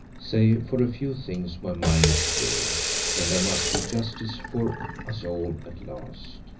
"Save for a few things my mind is clear, and there must be justice for us all at last.